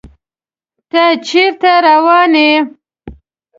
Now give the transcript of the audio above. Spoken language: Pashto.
ته چیرته روان یې؟